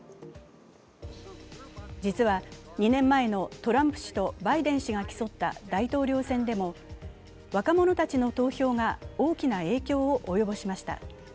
実は２年前のトランプ氏とバイデン氏が競った大統領選でも若者たちの投票が大きいな影響を及ぼしました。